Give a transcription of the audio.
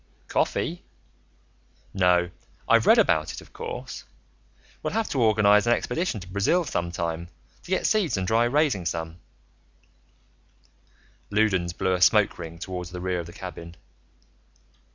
"Coffee? No. I've read about it, of course. We'll have to organize an expedition to Brazil, sometime, to get seeds and try raising some." Loudons blew a smoke ring toward the rear of the cabin.